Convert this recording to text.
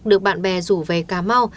được bạn bè rủ về cà mau